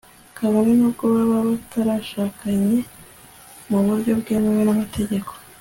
kabone n'ubwo baba batarashakanye mu buryo bwemewe n'amategeko